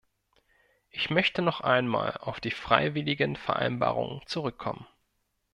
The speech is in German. Ich möchte noch einmal auf die freiwilligen Vereinbarungen zurückkommen.